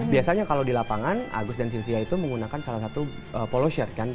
biasanya kalau di lapangan agus dan sylvia itu menggunakan salah satu poloser kan